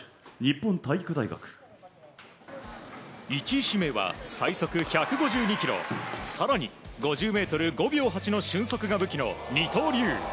１位指名は最速１５２キロ更に５０ｍ、５秒８の俊足が武器の二刀流。